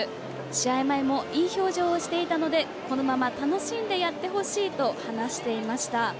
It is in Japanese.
試合前もいい表情をしていたのでこのまま楽しんでやってほしいと話していました。